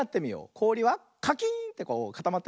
こおりはカキーンってこうかたまってるね。